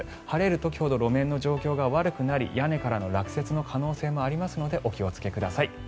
晴れる時ほど路面の状況が悪くなり屋根からの落雪の可能性もありますのでお気をつけください。